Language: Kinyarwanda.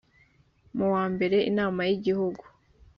mu wambere inama y igihugu